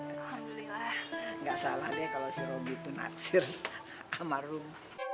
alhamdulillah gak salah deh kalau si robi tuh naksir sama rum